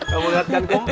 kamu lihat kan kum